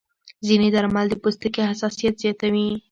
ځینې درمل د پوستکي حساسیت زیاتوي.